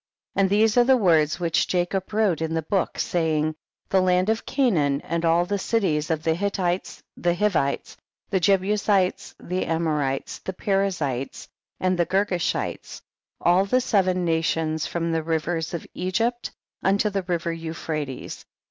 27. And these are the words which Jacob wrote in the book, say ing : The land of Canaan and all the cities of the Hittites, the Hivites, the Jebusites, tiie Amorites, the Periz zites, and the Gergashites, all the seven nations from the river of Egypt unto the river Euphrates ; 28.